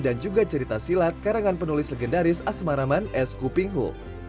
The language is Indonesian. juga cerita silat karangan penulis legendaris asmaraman es kupinghu